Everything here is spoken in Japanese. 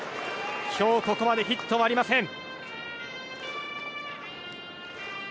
今日ここまでヒットはありません。